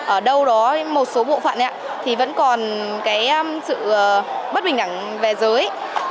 ở đâu đó một số bộ phận thì vẫn còn cái sự bất bình đẳng về giới